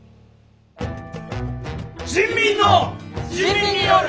人民の人民による。